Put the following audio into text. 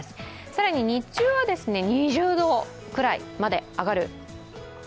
更に日中は２０度くらいまで上がる？